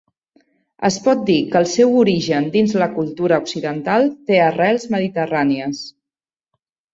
Es pot dir que el seu origen dins la cultura occidental té arrels mediterrànies.